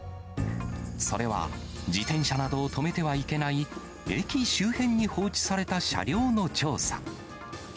それは、自転車などを止めてはいけない駅周辺に放置された車両の調査。